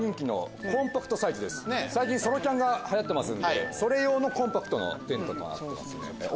ソロキャンがはやってますんでそれ用のコンパクトなテントです。